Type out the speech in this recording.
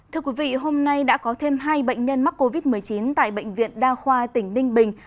thưa quý vị hôm nay đã có thêm hai bệnh nhân mắc covid một mươi chín tại bệnh viện đa khoa tỉnh ninh bình